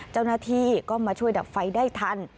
เจ้าหน้าที่ก็มาช่วยดับไฟได้ทัน